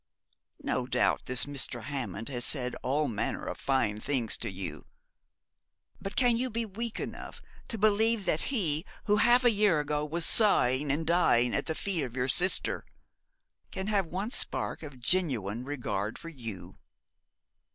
No doubt this Mr. Hammond has said all manner of fine things to you; but can you be weak enough to believe that he who half a year ago was sighing and dying at the feet of your sister can have one spark of genuine regard for you?